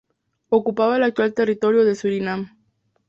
Ocupaba el actual territorio de Surinam.